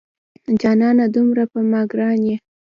جانانه دومره په ما ګران یې